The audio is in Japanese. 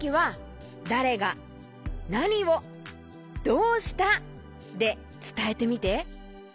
「どうした」でつたえてみて。